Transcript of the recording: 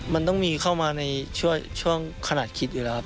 มันต้องมีเข้ามาในช่วงขนาดคิดอยู่แล้วครับ